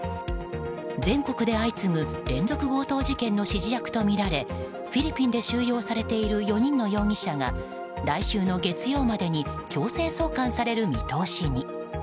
全国で相次ぐ連続強盗事件の指示役とみられフィリピンで収容されている４人の容疑者が来週の月曜までに強制送還される見通しに。